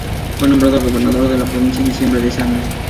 Fue nombrado gobernador de la provincia en diciembre de ese año.